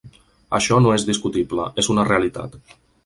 Això no és discutible, és una realitat.